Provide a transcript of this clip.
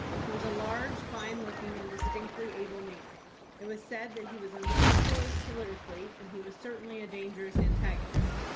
He was a large, fine looking, and distinctly able man. It was said that he was un scrupulous politically, and he was certainly a danger ous antagonist.